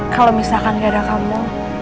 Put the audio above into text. kalau misalkan gak ada kamu